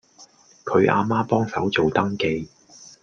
佢阿媽幫手做登記